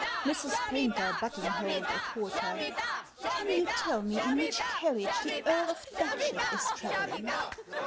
MRS. PAYNTER buttonholed a porter. " Can you tell me in which carriage the Earl of Datchet is travelling?"